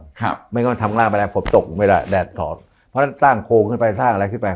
ครับไม่งั้นทำงล่างไปแล้วฝนตกเวลาแดดถอดเพราะฉะนั้นสร้างโครงขึ้นไปสร้างอะไรคือแปลก